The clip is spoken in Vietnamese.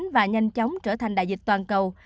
và nhanh chóng trở thành đại dịch toàn cầu